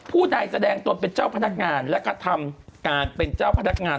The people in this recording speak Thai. ผู้ใดแสดงตนเป็นเจ้าพนักงานและกระทำการเป็นเจ้าพนักงาน